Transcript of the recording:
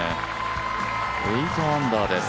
８アンダーです。